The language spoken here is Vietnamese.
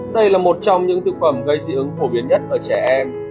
đây là một trong những thực phẩm gây dị ứng phổ biến nhất ở trẻ em